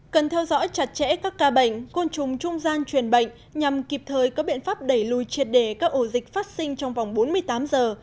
cần theo dõi chặt chẽ các ca bệnh côn trùng trung gian truyền bệnh nhằm kịp thời có biện pháp đẩy lùi triệt đề các ổ dịch phát sinh trong vòng bốn mươi tám giờ